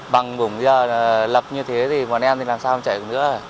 bằng bổng giờ lập như thế thì bọn em thì làm sao chạy được nữa